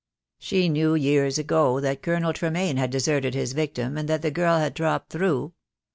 She knew years ago that Colonel Tremaine had deserted his victim, and that the girl had dropped through.